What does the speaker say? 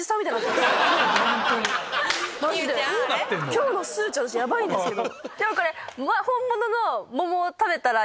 今日の数値ヤバいんですけど。